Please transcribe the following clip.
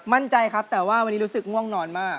มั่นใจครับแต่ว่าวันนี้รู้สึกง่วงนอนมาก